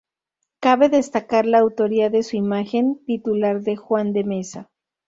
Cabe destacar la autoría de su imagen titular de Juan de Mesa.